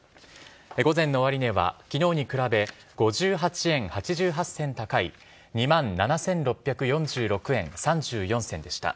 午前の終値はきのうに比べ５８円８８銭高い、２万７６４６円３４銭でした。